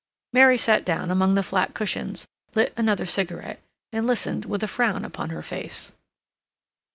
Mary sat down among the flat cushions, lit another cigarette, and listened with a frown upon her face.